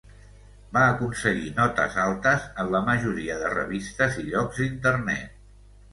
Va aconseguir notes altes en la majoria de revistes i llocs d'internet.